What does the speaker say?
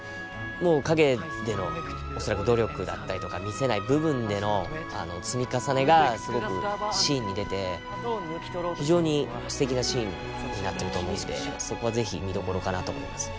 もう陰での努力だったりとか見せない部分での積み重ねがすごくシーンに出て非常にすてきなシーンになってると思うんでそこは是非見どころかなと思いますね。